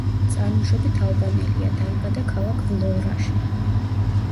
წარმოშობით ალბანელია, დაიბადა ქალაქ ვლორაში.